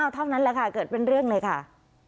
เท่านั้นแหละค่ะเกิดเป็นเรื่องเลยค่ะ